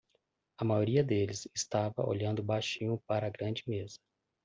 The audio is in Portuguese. A maioria deles estava olhando baixinho para a grande mesa.